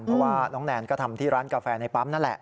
เพราะว่าน้องแนนก็ทำที่ร้านกาแฟในปั๊มนั่นแหละ